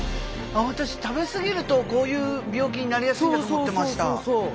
私食べ過ぎるとこういう病気になりやすいんだと思ってました。